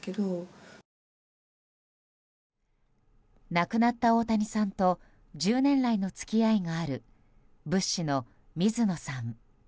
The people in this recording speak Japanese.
亡くなった大谷さんと１０年来の付き合いがある仏師の水野さん。